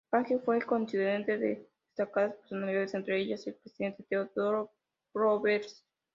Page fue confidente de destacadas personalidades, entre ellas el Presidente Theodore Roosevelt.